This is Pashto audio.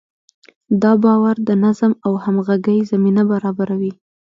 دا باور د نظم او همغږۍ زمینه برابروي.